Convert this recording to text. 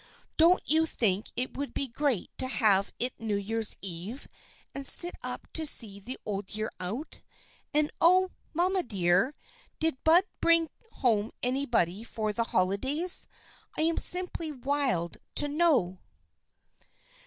Don't you think it would be great to have it New Year's Eve and sit up to see the old year out? And oh, mamma dear, did Bud bring home anybody for the holidays ? I am simply wild to know."